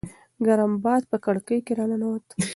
ګرم باد په کړکۍ راننووت.